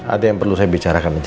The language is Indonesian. ada yang perlu saya bicarakan itu